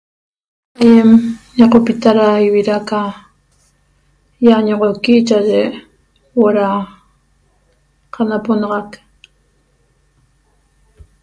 Ayem ñeqopita ra ivira ca iañoxoqui cha'aye huo'o ra qanaponaxac